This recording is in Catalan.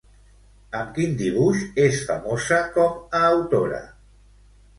Amb quin dibuix és famosa com a autora?